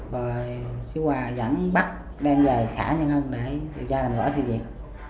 rồi chú hòa dẫn bắt đem về xã nhân hưng để điều tra làm rõ sự việc